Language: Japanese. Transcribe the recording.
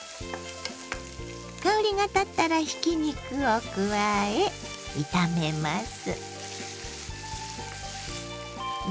香りが立ったらひき肉を加え炒めます。